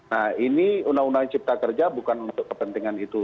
nah ini undang undang cipta kerja bukan untuk kepentingan itu